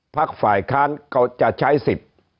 พักฝ่ายค้านก็จะใช้สิบ